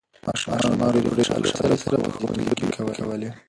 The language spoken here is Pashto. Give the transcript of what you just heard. ماشومانو په ډېرې خوشالۍ سره په ښوونځي کې لوبې کولې.